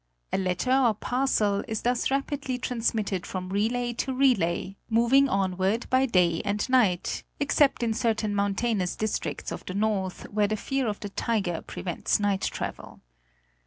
A letter or parcel is thus rapidly trans mitted from relay to relay, moving onward by day and night— except in certain mountainous districts of the north, where the fear of the tiger prevents night travel.